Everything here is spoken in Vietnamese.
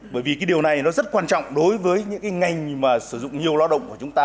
bởi vì điều này rất quan trọng đối với những ngành sử dụng nhiều lo động của chúng ta